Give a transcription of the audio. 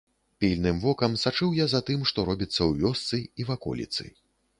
Пільным вокам сачыў я за тым, што робіцца ў вёсцы і ваколіцы.